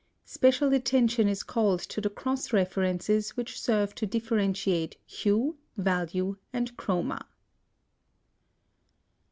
Special attention is called to the cross references which serve to differentiate HUE, VALUE, and CHROMA.